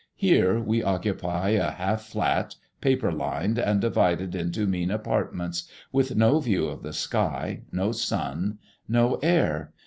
Here we occupy a half flat, paper lined, and divided into mean apartments, with no view of the sky, no sun, no air.